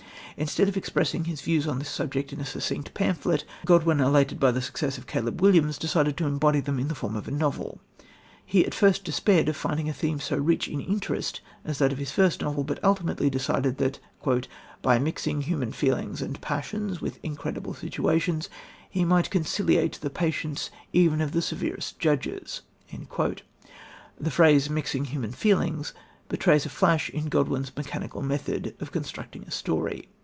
Instead of expressing his views on this subject in a succinct pamphlet, Godwin, elated by the success of Caleb Williams, decided to embody them in the form of a novel. He at first despaired of finding a theme so rich in interest as that of his first novel, but ultimately decided that "by mixing human feelings and passions with incredible situations he might conciliate the patience even of the severest judges." The phrase, "mixing human feelings," betrays in a flash Godwin's mechanical method of constructing a story.